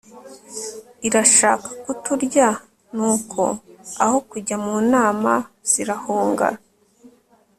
irashaka kuturya. nuko aho kujya mu nama zirahunga